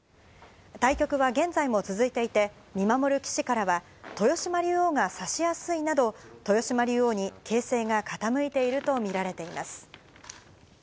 対局は現在も続いていて、見守る棋士からは、豊島竜王が指しやすいなど、豊島竜王に形勢が傾いていると見られています。